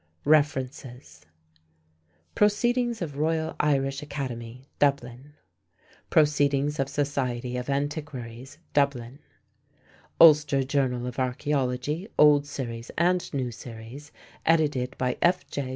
REFERENCES: Proceedings of Royal Irish Academy (Dublin); Proceedings of Society of Antiquaries (Dublin); Ulster Journal of Archaeology, Old Series and New Series, edited by F.J.